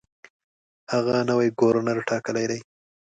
هغه نوی ګورنر ټاکلی دی.